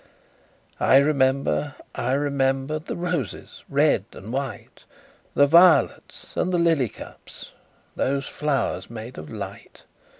I remember, I remember, The roses, red and white, The violets, and the lily cups, Those flowers made of light!